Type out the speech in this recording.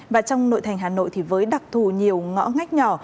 và trong nội thành hà nội thì với đặc thù nhiều ngõ ngách nhỏ